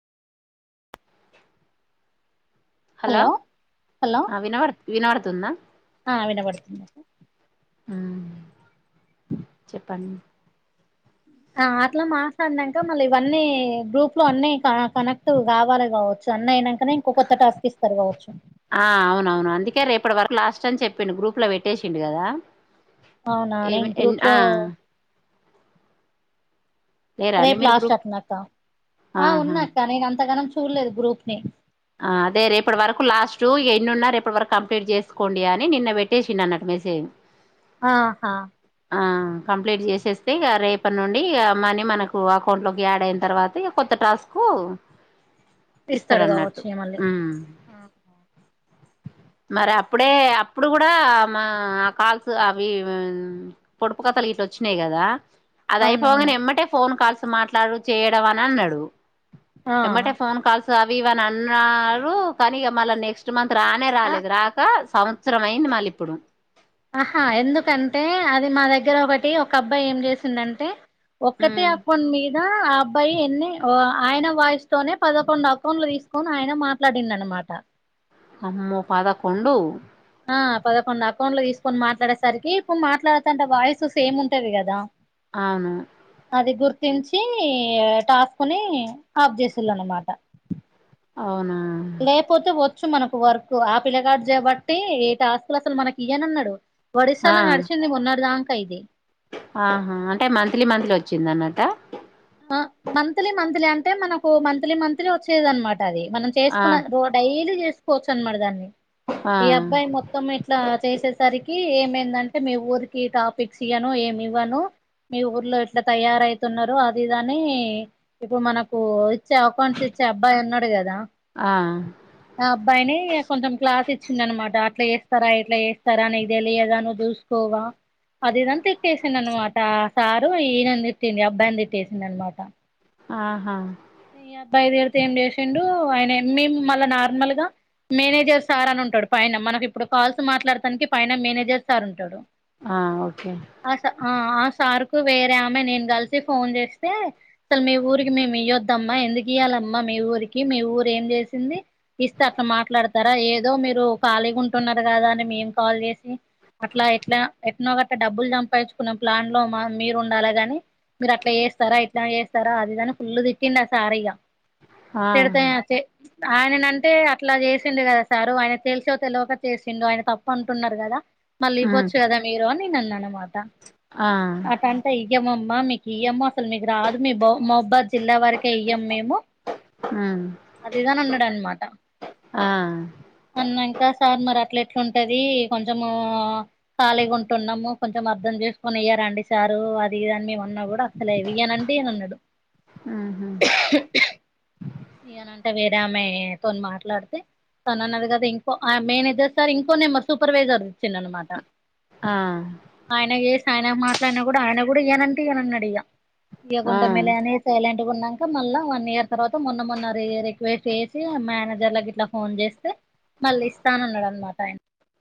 Hello hello వినా వర్ వినబడుతుందా ఆ వినబడుతుంది ఉమ్ చెప్పండి ఆ అట్లా మాట్లాడినాక మళ్ళీ ఇవన్నీ గ్రూప్ లో అన్ని కనెక్ట్ కావాల కావచ్చు అన్న అయినాక అనే ఇంకో కొత్త టాస్క్ ఇస్తారు కావచ్చు ఇప్పటి వరకు లాస్ట్ టని చెప్పిడు గ్రూప్ లో పెట్టేసిడు కదా అవునాను ఏమి నేను ఎన్ గ్రూప్ ఆ లో లేరా అండి రేపు మీరు లాస్ట్ గ్రూప్ అట్న్నాక ఆ ఆహా ఉన్నాక్క నేను అంతగానం చూలేదు గ్రూప్ని అదే రేపుటి వరకు లాస్ట్ ఎన్నున్నేప్పటి వరకు కంప్లీట్ చేసుకోండి అని నిన్న పెట్టేసిన్న అన్నట్టు మెసేజ్ ఆహా కంప్లీట్ చేసేస్తే ఇక రేపటి నుండి మనీ మనకు అకౌంట్లోకి యాడ్ అయిన తర్వాతక కొత్త టాస్క్ ఇస్తాడు ఇిస్తడుగా అన్నట్టు వచ్చు మళ ఉమ్ మరి అప్పుడే అప్పుడు కూడా మా ఆ కాల్స్ అవి పొడుపు కథల ఇట్ వచ్చినాయి కదా అద అపో అ అవునవును ఎమ్మటే ఫోన్ కాల్స్ మాట్లాడు చేయడం అని అన్నాడు ఆ ఎ మట ఫోన్ కల్స్ వ అ అన్నారు కానీక మళ్ళ నెక్స్ట్ మంత్ రానే ఆ రాలేదు రాక సంవత్సరం అయింది మళ్ళ ఇప్పుడు ఆహా ఎందుకంటే అది మా దగ్గర ఒకటి ఒక అబ్బాయి ఏం చేసిందంటే ఒక్కతే ఉమ్. అక్కండి మీరు ఆ అబ్బాయి ఎన్ని ఆయన వాయిస్ తోనే పదకొండు అక్కన్లు తీసుకొని ఆయన మాట్లాడింది అనమాట అమ్మో పాదకుం ఆ పదకొండు అకౌంట్లు తీసుకొని మాట్లాడేసరికి ఇప్పుడు మాట్లాడతంటే వాయిస్ స ఏము ఉంటాది కదా. అవును. అది గుర్తింఛీ టాస్కుని ఆఫ్ చేసిళ్ళ అన్నమాట. అవునా. వొచ్చ మనకు వర్క్ ఆ పిలగాడు చేయబట్టి టాస్కులు అసలు మనకి ఇయ్యానన్నాడు. ఆ ఒడిశాలో నడిచింది మొన్నటి దాంక. ఖైదీ. ఆహా అంటే మంత్లీ మంత్లీ వొచ్చింద అన్నట. అ మంత్లీ మంత్లీ అంటే మనకు మంత్లీ మంత్లీ వొచ్చేది అన్నమ. మనం ఆ చేసుకున్న ఓ డైలీ చేసు. పొచన్ మరదల్ని. ఆ ఈ అబ్బాయి మొత్తం ఇట్లా చేసేసరి. ఇ ఏమేందంటే మీ ఊరికి టాపిక్స్ ఇవ్వను ఏమి ఇవ్వను మీ ఊర్లో ఇట్లా తయారతున్నారు. ఇదనీ ఇప్పుడు మనకూ. చౌకన్స్ ఇచ్చే అబ్బాయి అన్న. అంతే గద. ఆ ఆ అబ్బాయినీ కొంచెం క్లాస్ ఇచ్చింది అన్నమాట అట్లా చే. సరే ఎట్లా చేేస్తారా అని నీకు తెలియదా నువ్ చూసుకోవా అది ఇదని తిట్టేసింది అన్నమాట ఆ సారు ఈయన తిట్టింది ఈ అబ్బాయిని తి. చేసిండు అన్నమాట. ఆహా. ఈ అబ్బాయి తిడితే ఎమ్ చేసిండు అయన మేమ్ మళ్ళా నార్మల్ గా మేనేజర్ సార్ అని ఉంటాడు పైన మనకి ఇప్పుడు కాల్స్ మాట్లాడతానికి పైన మేనేజర్ సార్ ఉంటాడు. ఆ ఓకే. స ఆ ఆ సార్ కు వేరే ఆమె నేను కలిసి ఫోన్ చేస్తే అసలు మీ ఊరికి మేముయ్యొద్. ఏందమ్మా ఎందుకీయాలమ్మ మీ ఊరికి మీ ఊరు ఏమ్ చేసింది ఇస్తే అట్లా మాట్లాడతారా ఏదో మీరు కాలిగా ఉంటున్నారు కదా అని మేమ్ కాల్ చేస్తే అట్లా ఇట్లా ఎట్నో గట్ట డబ్బులు చంపచ్చుకున్న ప్లాంట్ లో మ మీరు ఉండాలాగాని మీరు అట్లా చేస్తారా ఇట్లా చేస్తారా అదిదని ఫుల్ తీ. కిన్నా సారయ్య. ఆ తిడితే అచ్చే. ఆయన అంటే అట్లా జెసిండు కదా సారు ఆయన తెలిసో తెలువక చేసిండు ఆయన తప్ప అంటున్నారు కదా. మళ్ళీ ఉమ్. వోచ్చారా మీరు. తినన్నన్న మ. త ఆ అటంటే ఈటె మమ్. మమ్మి కియ మ్మా. అసలు మీకు రాదు మీ బో మహాబాద్ జిల్లా వారి. ఇయ్యం మేము ఆ అది ఇది అని అన్నాడు అనమాట ఆ అన్నంక సార్ మ. గట్ల ఎట్లా ఉంటదీ కొంచమూ కాలిగా ఉంటున్నాము కొంచము అర్ధం చేసుకొని ఇయ్యారండి సారూ అది ఇదీ అని మేమున్నా కూడా అసలే ఇయ్యాన్నంటే ఇయ్యాన్నానాడు. [inaudible] ఇయనంటే వేరే ఆమె తోని మాట్లాడితే తను అన్నది కదా ఇంకో అ మేనజర్ సార్ ఇంకో నెంబర్ సూపర్వైజర్ ఇచ్చింది అన్నమాట. ఆ. ఆయన చేసి ఆయన మాట్లాడినా కూడా ఆయన కూడా ఇయ్యనుంటే ఇయ్యను అన్నాడు ఇగ ఆ ఇయ్యాకుంటాములే అనేసి సైలెంట్ డుకున్నాక మళ్ళా వన్ ఇయర్ తర్వాత మొన్న మొన్న ర రిక్వెస్ట్ చేసి మేనేజర్ కి ఇట్లా ఫోన్ చేస్తే మళ్ళీ ఇస్తానున్నాడు అనమాట ఆయన